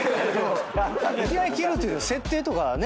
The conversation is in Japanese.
いきなり斬るといっても設定とかね